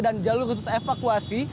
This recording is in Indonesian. dan jalur khusus evakuasi